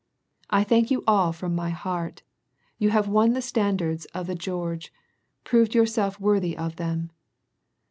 I thank you all from my heart ! You have won the standards of the George, prove yourselves worthy of them